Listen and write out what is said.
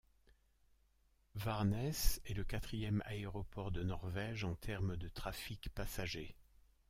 Værnes est le quatrième aéroport de Norvège en termes de trafic passager.